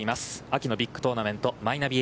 秋のビッグトーナメント、マイナビ